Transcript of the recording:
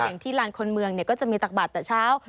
อย่างที่ร้านคนเมืองก็จะมีตากบาดแต่เช้า